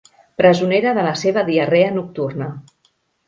Presonera de la seva diarrea nocturna.